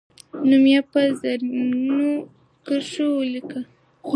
نوم یې په زرینو کرښو ولیکه.